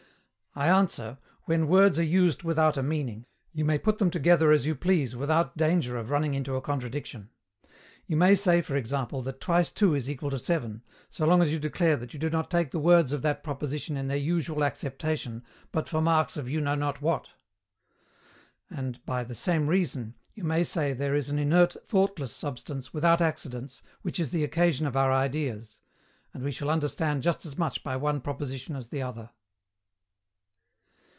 I answer, when words are used without a meaning, you may put them together as you please without danger of running into a contradiction. You may say, for example, that twice two is equal to seven, so long as you declare you do not take the words of that proposition in their usual acceptation but for marks of you know not what. And, by the same reason, you may say there is an inert thoughtless substance without accidents which is the occasion of our ideas. And we shall understand just as much by one proposition as the other.